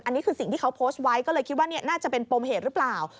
อันนี้คือสิ่งที่เขาโพสต์ไว้ก็เลยคิดว่าน่าจะเป็นปมเหตุหรือเปล่า